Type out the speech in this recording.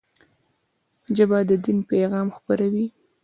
ژبه د دین پيغام خپروي